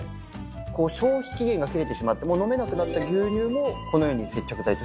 消費期限が切れてしまってもう飲めなくなった牛乳もこのように接着剤として使えるということ。